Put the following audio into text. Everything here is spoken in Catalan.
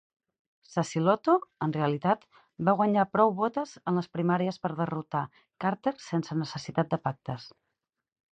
Sacilotto en realitat va guanyar prou votes en les primàries per derrotar Carter sense necessitat de pactes.